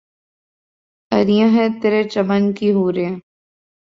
عریاں ہیں ترے چمن کی حوریں